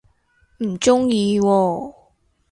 唔鍾意喎